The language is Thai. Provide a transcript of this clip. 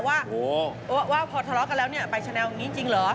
ว่าพอทะเลาะกันแล้วเนี่ยไปชะแลอย่างนี้จริงเหรอ